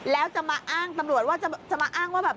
แล้วจะมาอ้างตำรวจว่าจะมาอ้างว่าแบบ